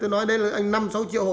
tôi nói đây là năm sáu triệu hộ